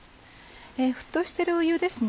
沸騰してる湯ですね。